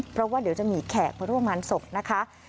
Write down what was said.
เพราะว่าเดี๋ยวจะมีแขกมาร่วมงานศพนะคะ